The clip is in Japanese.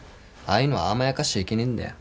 ああいうのは甘やかしちゃいけねえんだよ。